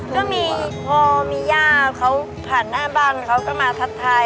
ก็พอมียาเขาผ่านหน้าบ้านเขาก็มาทัศน์ไทย